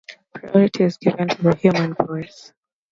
Priority is given to the human voice.